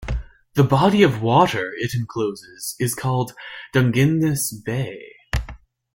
The body of water it encloses is called Dungeness Bay.